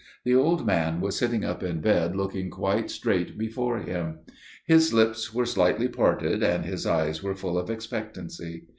The old man was sitting up in bed looking quite straight before him. His lips were slightly parted; and his eyes were full of expectancy.